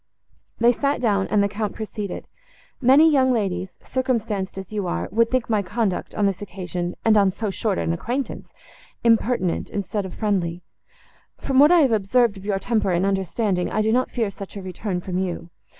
They sat down, and the Count proceeded. "Many young ladies, circumstanced as you are, would think my conduct, on this occasion, and on so short an acquaintance, impertinent, instead of friendly; from what I have observed of your temper and understanding, I do not fear such a return from you.